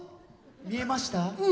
見えました？